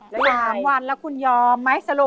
เรื่อยไหม๓วันแล้วคุณยอมไม่สะโหลครับ